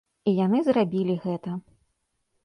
І яны зрабілі гэта.